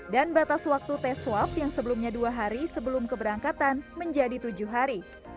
batas waktu tes swab yang sebelumnya dua hari sebelum keberangkatan menjadi tujuh hari